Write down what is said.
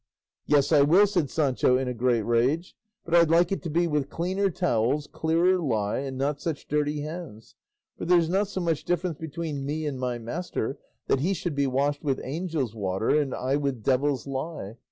"Yes, I will," said Sancho, in a great rage; "but I'd like it to be with cleaner towels, clearer lye, and not such dirty hands; for there's not so much difference between me and my master that he should be washed with angels' water and I with devil's lye.